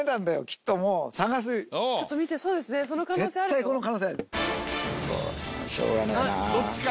ちょっと見てそうですねその可能性あるよ。